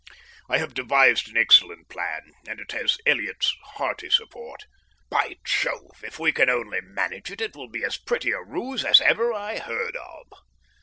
I have devised an excellent plan, and it has Elliott's hearty support. By Jove! if we can only manage it, it will be as pretty a ruse as ever I heard of.